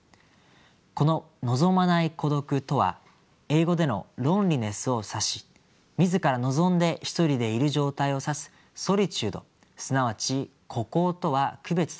この「望まない孤独」とは英語でのＬｏｎｅｌｉｎｅｓｓを指し「自ら望んでひとりでいる状態」を指すＳｏｌｉｔｕｄｅすなわち「孤高」とは区別されます。